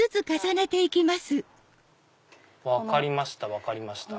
分かりました